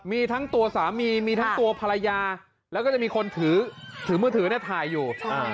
มีทั้งตัวสามีมีทั้งตัวภรรยาแล้วก็จะมีคนถือมือถือถ่ายอยู่